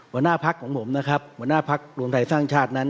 หัวหน้าพักของผมนะครับหัวหน้าพักรวมไทยสร้างชาตินั้น